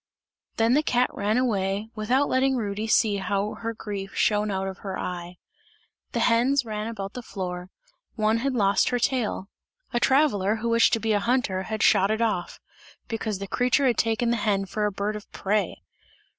Then the cat ran away, without letting Rudy see how her grief shone out of her eye. The hens ran about the floor; one had lost her tail; a traveller, who wished to be a hunter, had shot it off, because the creature had taken the hen for a bird of prey!